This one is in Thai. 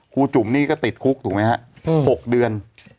ครูจุ่มนี่ก็ติดคุกถูกมั้ยฮะ๖เดือน